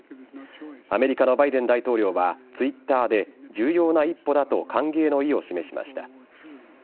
アメリカのバイデン大統領はＴｗｉｔｔｅｒで重要な一歩だと歓迎の意を示しました。